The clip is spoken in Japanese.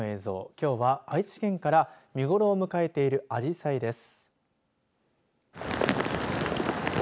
きょうは愛知県から見頃を迎えているアジサイです。